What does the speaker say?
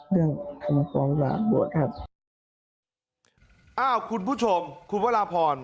เรื่องทำความสะอาดบวชครับอ้าวคุณผู้ชมคุณพระราพร